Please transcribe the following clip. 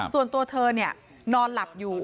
ส่วนตัวเธอนอนหลับอยู่